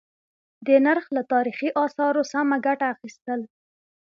د نرخ له تاريخي آثارو سمه گټه اخيستل: